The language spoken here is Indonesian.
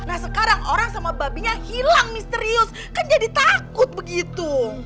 nah sekarang orang sama babinya hilang misterius kan jadi takut begitu